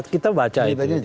kita baca itu